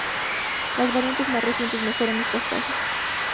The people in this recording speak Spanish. Las variantes más recientes mejoran estas tasas.